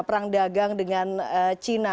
perang dagang dengan china